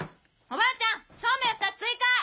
おばあちゃんそうめん２つ追加！